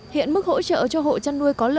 hiện mức hỗ trợ cho hộ chăn nuôi có lợi